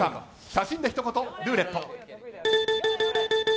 写真で一言ルーレット。